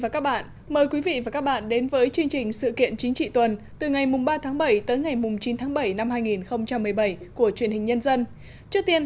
cảm ơn các bạn đã theo dõi